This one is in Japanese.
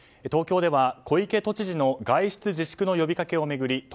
東京では小池都知事の外出自粛の呼びかけを巡り